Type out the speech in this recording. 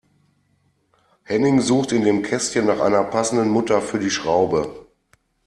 Henning sucht in dem Kästchen nach einer passenden Mutter für die Schraube.